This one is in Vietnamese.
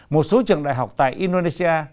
một số trường đại học tại indonesia